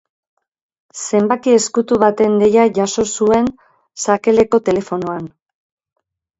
Zenbaki ezkutu baten deia jaso zuen sakeleko telefonoan.